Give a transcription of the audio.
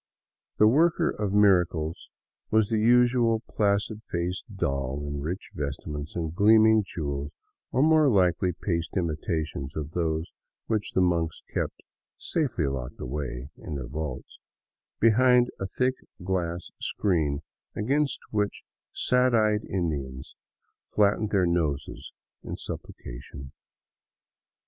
The worker of miracles was the usual placid faced doll in rich vestments and gleaming jewels — or more likely paste imitations of those which the monks keep safely locked away in {heir vaults — behind a thick glass screen against which sad eyed In dians flattened their noses in supplication.